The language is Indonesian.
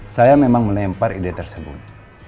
saya memang melempar ide tersebut